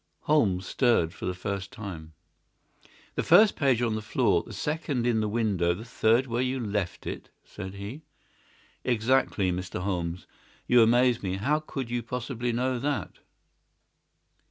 Holmes stirred for the first time. "The first page on the floor, the second in the window, the third where you left it," said he. "Exactly, Mr. Holmes. You amaze me. How could you possibly know that?"